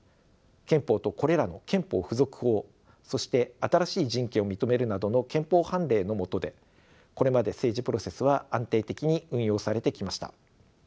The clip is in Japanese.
憲法とこれらの憲法付属法そして新しい人権を認めるなどの憲法判例のもとでこれまで政治プロセスは安定的に運用されてきました。